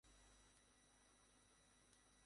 তোমার আম্মুকে তুমি কি বলতে চাও?